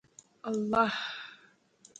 الله